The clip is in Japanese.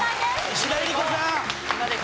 石田ゆり子さん。